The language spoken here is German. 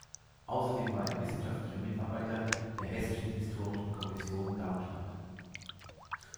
Außerdem war er wissenschaftlicher Mitarbeiter der Hessischen Historischen Kommission Darmstadt.